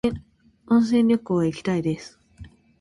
温泉旅行へ行きたいです